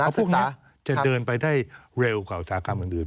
ศึกษาจะเดินไปได้เร็วกว่าอุตสาหกรรมอื่น